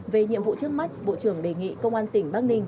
về nhiệm vụ trước mắt bộ trưởng đề nghị công an tỉnh bắc ninh